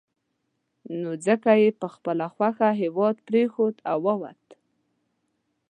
نو ځکه یې په خپله خوښه هېواد پرېښود او ووت.